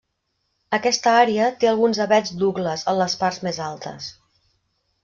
Aquesta àrea té alguns avets Douglas en les parts més altes.